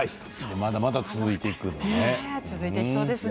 まだまだ続いていくんだね。